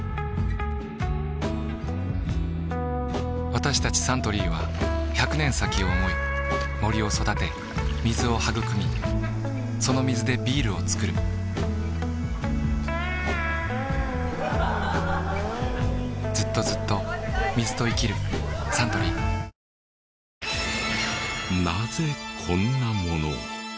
私たちサントリーは１００年先を想い森を育て水をはぐくみその水でビールをつくる・ずっとずっと水と生きるサントリーなぜこんなものを？